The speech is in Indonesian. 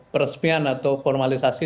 peresmian atau formalisasi